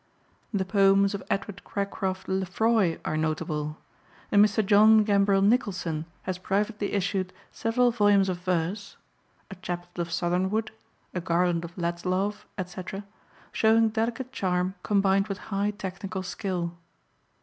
The poems of Edward Cracroft Lefroy are notable, and Mr. John Gambril Nicholson has privately issued several volumes of verse (A Chaplet of Southernwood, A Garland of Ladslove, etc.) showing delicate charm combined with high technical skill.